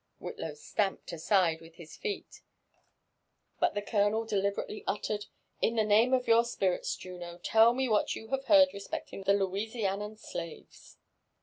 WhiUaw stamped (aside) with his feet ; but the colonel deliberately uttered, " In the name of your spirits, Juno, tell me what you have heard respecting the LouisjaRiao slaves."